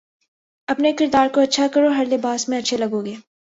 اپنے کردار کو اچھا کرو ہر لباس میں اچھے لگو گے